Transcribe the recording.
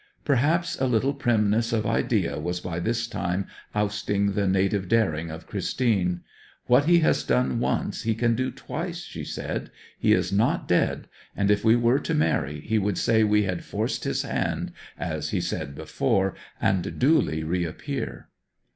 Perhaps a little primness of idea was by this time ousting the native daring of Christine. 'What he has done once he can do twice,' she said. 'He is not dead, and if we were to marry he would say we had "forced his hand," as he said before, and duly reappear.'